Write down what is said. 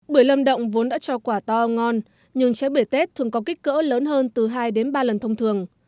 bưởi lâm động vốn đã cho quả to ngon nhưng trái bưởi tết thường có kích cỡ lớn hơn từ hai đến ba lần thông thường